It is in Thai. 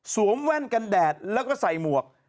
แว่นกันแดดแล้วก็ใส่หมวก